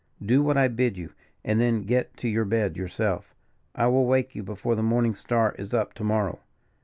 Do what I bid you, and then get to your bed yourself. I will wake you before the morning star is up to morrow."